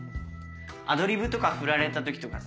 アドリブとか振られた時とかさ